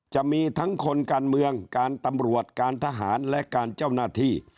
จะมีทั้งคนการเมืองการตำรวจการทหารและการเจ้าหน้าที่